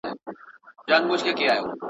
بیا د انا د کیسو ځوان شهزاده توره کښلې